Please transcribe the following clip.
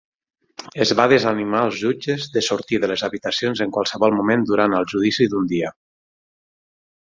Es va desanimar als jutges de sortir de les habitacions en qualsevol moment durant el judici d'un dia.